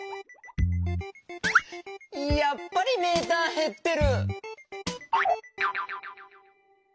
やっぱりメーターへってる！